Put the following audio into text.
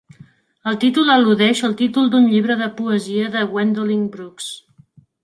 El títol al·ludeix al títol d'un llibre de poesia de Gwendolyn Brooks.